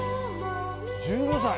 １５歳！